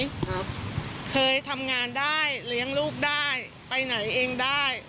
ครับเคยทำงานได้เลี้ยงลูกได้ไปไหนเองได้